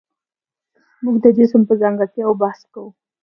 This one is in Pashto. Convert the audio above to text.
موږ د جسم په ځانګړتیاوو بحث کوو.